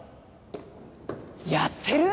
やってる？